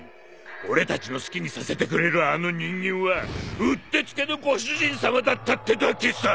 俺たちの好きにさせてくれるあの人間はうってつけのご主人さまだったってだけさ！